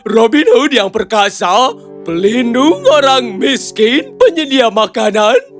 robin hood yang perkasa pelindung orang miskin penyedia makanan